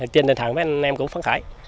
trên tinh thần mấy anh em cũng phấn khởi